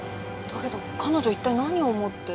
だけど彼女一体何を思って。